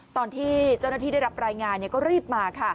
ตอนที่เจ้าหน้าที่ได้รับรายงานก็รีบมาค่ะ